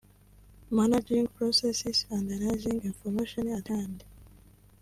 Managing processes and analyzing information at hand ;